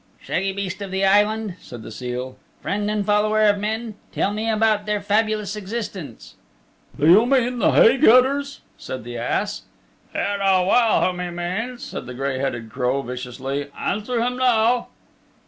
"Shaggy beast of the Island," said the seal, "friend and follower of men, tell me about their fabulous existence." "Do you mean the hay getters?" said the ass. "You know well whom he means," said the gray headed crow viciously. "Answer him now."